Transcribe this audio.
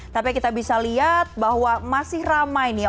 tapi kita bisa lihat bahwa masih ramai nih